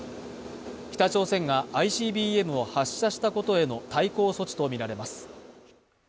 北朝鮮がＩＣＢＭを発射したことへの対抗措置とみられます。